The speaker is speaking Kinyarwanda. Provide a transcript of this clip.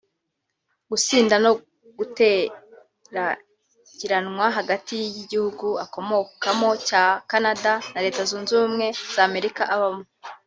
gusinda no guteragiranwa hagati y’igihugu akomokamo cya Canada na leta Zunze ubumwe za Amerika abamo